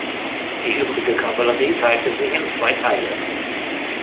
Die übrige Kavallerie teilte sich in zwei Teile.